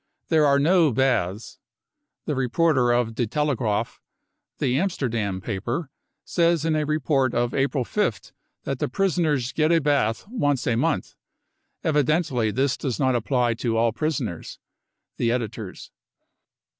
There are no baths. (The reporter of De Telegraaf. \ the Amsterdam paper, says in a report of April 5th that the prisoners get a bath once a month. Evidently this does not apply to all prisoners. — The Editors.)